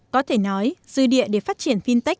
có thể nói dư địa để phát triển fintech